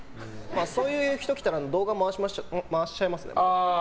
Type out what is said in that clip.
そういう人が来たら動画回しちゃいますね。